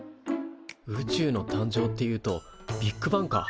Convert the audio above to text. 宇宙の誕生っていうとビッグバンか。